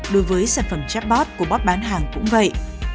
đối với sản phẩm chatbot của bot bán hàng cũng vậy